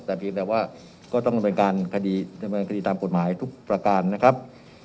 แต่เพียงแต่ว่าก็ต้องดำเนินการคดีดำเนินคดีตามกฎหมายทุกประการนะครับ